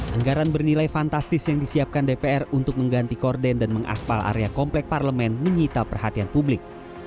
anggaran bernilai fantastis yang disiapkan dpr untuk mengganti korden dan mengaspal area komplek parlemen menyita perhatian publik